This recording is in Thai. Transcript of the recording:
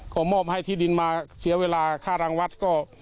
ก็มอบให้ที่ดินมาเสียเวลาค่ารางวัดก็